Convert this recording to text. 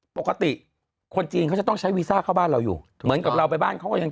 ปกติคนจีนเขาจะต้องใช้วีซ่าเข้าบ้านเราอยู่เหมือนกับเราไปบ้านเขาก็ยัง